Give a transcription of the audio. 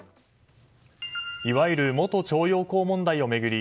いわゆる元徴用工問題を巡り